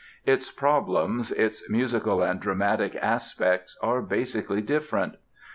Its problems, its musical and dramatic aspects are basically different.